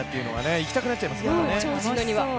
行きたくなっちゃいますからね。